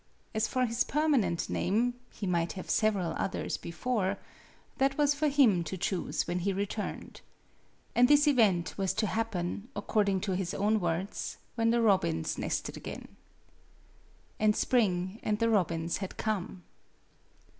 As for his permanent name, he might have several others before, that was for him to choose when he returned. And this event was to happen, according to his own words, when the robins nested again. And spring and the robins had come.